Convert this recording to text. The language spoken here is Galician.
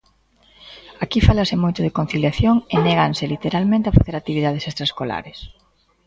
Aquí fálase moito de conciliación e néganse literalmente a facer actividades extraescolares.